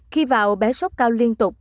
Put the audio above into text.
khi vào bé sốt cao liên tục